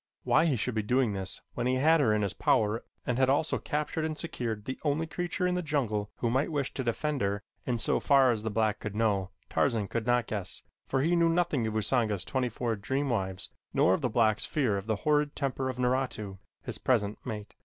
Why he should be doing this when he had her in his power and had also captured and secured the only creature in the jungle who might wish to defend her in so far as the black could know, Tarzan could not guess, for he knew nothing of Usanga's twenty four dream wives nor of the black's fear of the horrid temper of Naratu, his present mate.